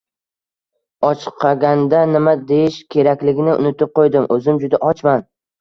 Ochqaganda nima deyish kerakligini unutib qoʻydim, oʻzim juda ochman